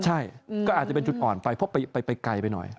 ใช่ก็อาจจะเป็นจุดอ่อนไปเพราะไปไกลไปหน่อย